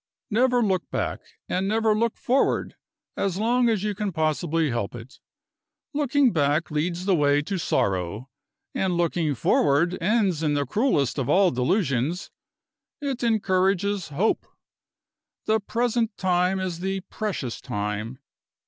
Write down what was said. Never look back, and never look forward, as long as you can possibly help it. Looking back leads the way to sorrow. And looking forward ends in the cruelest of all delusions: it encourages hope. The present time is the precious time.